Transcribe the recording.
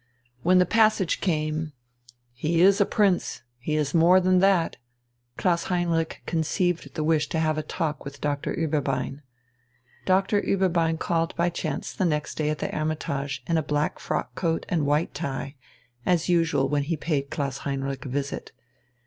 When the passage came: "He is a prince. He is more than that," Klaus Heinrich conceived the wish to have a talk with Doctor Ueberbein. Doctor Ueberbein called by chance next day at the "Hermitage" in a black frock coat and white tie, as usual when he paid Klaus Heinrich a visit.